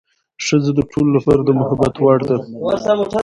ښځه د ټولو لپاره د محبت وړ ده.